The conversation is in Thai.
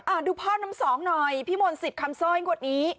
ดูพ่อน้ำสองหน่อยพี่มนต์สิทธิ์คำซ่อยคนนี้